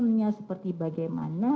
ronsennya seperti bagaimana